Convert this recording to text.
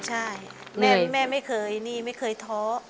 ใช่แม่ไม่เคยท้อ